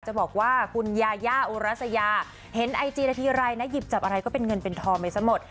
จะบอกว่าคุณยาย่าอุรัสยาเห็นไอจีนาทีไรนะหยิบจับอะไรก็เป็นเงินเป็นทองไปซะหมด